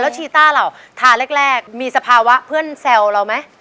ชีต้าเหล่าทาแรกมีสภาวะเพื่อนแซวเราไหม